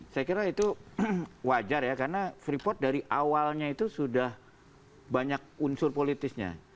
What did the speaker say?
saya kira itu wajar ya karena freeport dari awalnya itu sudah banyak unsur politisnya